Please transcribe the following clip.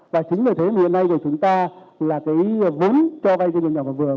và chính là thế hiện nay chúng ta là cái vốn cho gai doanh nghiệp nhỏ và vừa